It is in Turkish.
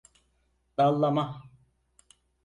Dallama!